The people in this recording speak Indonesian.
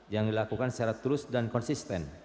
yang dilakukan secara terus dan konsisten